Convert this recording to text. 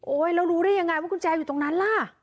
แล้วรู้ได้ยังไงว่ากุญแจอยู่ตรงนั้นล่ะ